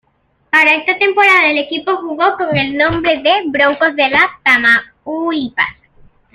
Para esta temporada el equipo jugó con el nombre de "Broncos de Tamaulipas".